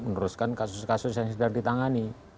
menuruskan kasus kasus yang sudah ditangani